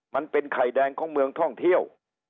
มันเป็นไข่แดงของเมืองท่องเที่ยว